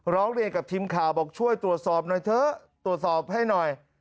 ร้องเรียนกับทิมข่าวบอกช่วยตรวจสอบให้หน่อย